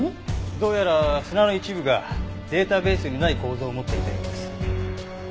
どうやら砂の一部がデータベースにない構造を持っていたようです。